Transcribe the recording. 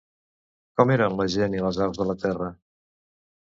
Com eren la gent i les aus de la terra?